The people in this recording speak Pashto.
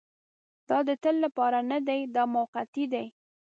دا د تل لپاره نه دی دا موقتي دی.